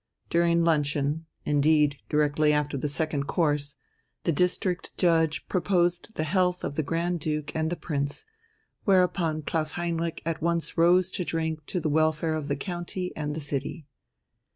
During luncheon indeed, directly after the second course the District Judge proposed the health of the Grand Duke and the Prince, whereupon Klaus Heinrich at once rose to drink to the welfare of the county, and city.